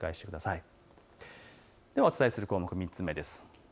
お伝えする項目、３つ目です。